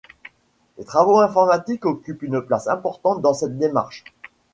Les travaux informatiques occupent une place importante dans cette démarche.